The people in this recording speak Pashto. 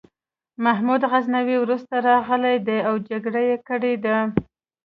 محمود غزنوي وروسته راغلی دی او جګړه یې کړې ده.